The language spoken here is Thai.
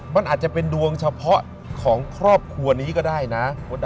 มันอาจจะเป็นดวงเฉพาะของครอบครัวนี้ก็ได้นะ